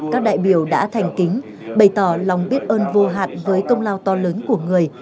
các đại biểu đã thành kính bày tỏ lòng biết ơn vô hạn với công lao to lớn của người